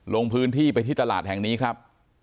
ลงพื้นที่ไปที่ตลาดแห่งนี้ครับ